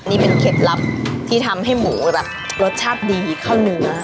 นี่เป็นเคล็ดลับที่ทำให้หมูแบบรสชาติดีเข้าเนื้อ